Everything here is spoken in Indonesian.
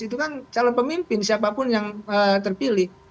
itu kan calon pemimpin siapapun yang terpilih